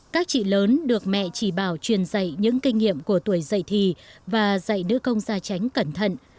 các chị lớn được mẹ chỉ bảo truyền dạy những kinh nghiệm của tuổi dạy thì và dạy nữ công gia tránh cẩn thận